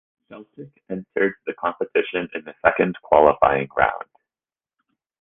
Celtic entered the competition in the second qualifying round.